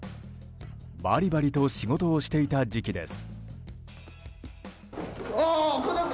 バリバリと仕事をしていた時期です。